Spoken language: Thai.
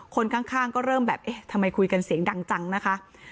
คนข้างก็เริ่มแบบเอ๊ะทำไมคุยกันเสียงดังจังนะคะ